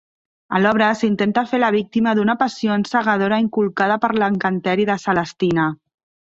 A l'obra s'intenta fer-la víctima d'una passió encegadora inculcada per l'encanteri de Celestina.